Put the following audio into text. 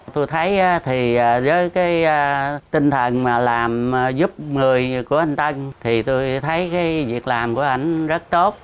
tôi thấy thì với cái tinh thần mà làm giúp người của anh tân thì tôi thấy cái việc làm của anh rất tốt